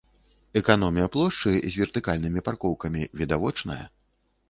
Эканомія плошчы з вертыкальнымі паркоўкамі відавочная.